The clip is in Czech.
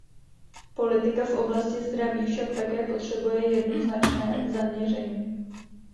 Politika v oblasti zdraví však také potřebuje jednoznačné zaměření.